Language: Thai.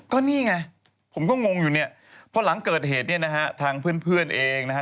ก็นี่ไงผมก็งงอยู่เนี่ยพอหลังเกิดเหตุเนี่ยนะฮะทางเพื่อนเองนะฮะ